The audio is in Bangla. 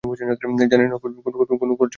জানি না কোন খচ্চর ফিউজ বন্ধ করল।